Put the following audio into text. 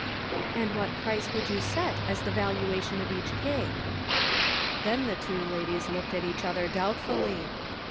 "And what price would you set as the valuation of each cake ?" Then the two ladies looked at each other doubtfully.